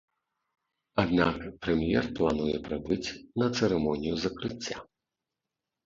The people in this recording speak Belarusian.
Аднак прэм'ер плануе прыбыць на цырымонію закрыцця.